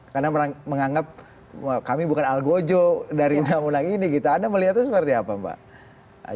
karena menganggap kami bukan al gojo dari undang undang ini anda melihat itu seperti apa mbak